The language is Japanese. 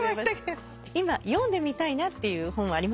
今読んでみたいなっていう本はありますか？